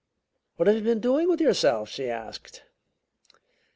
"What have you been doing with yourself?" she asked.